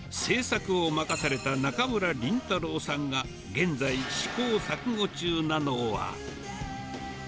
制作を任された中村麟太郎さんが、現在、試行錯誤中なのは。